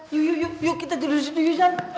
yuk yuk yuk kita tidur di sana